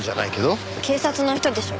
警察の人でしょ。